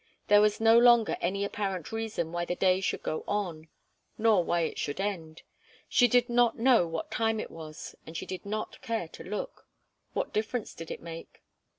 There was no longer any apparent reason why the day should go on, nor why it should end. She did not know what time it was, and she did not care to look. What difference did it make?